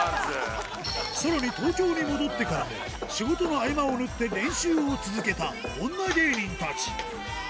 さらに東京に戻ってからも、仕事の合間を縫って練習を続けた女芸人たち。